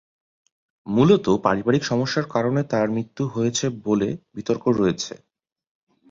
মুলত পারিবারিক সমস্যার কারণে তার মৃত্যু হয়েছে বলে বিতর্ক রয়েছে।